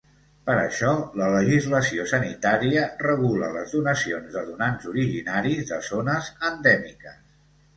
Per això la legislació sanitària regula les donacions de donants originaris de zones endèmiques.